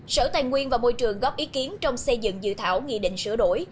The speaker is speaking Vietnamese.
sở tài nguyên và môi trường góp ý kiến trong xây dựng dự thảo nghị định sửa đổi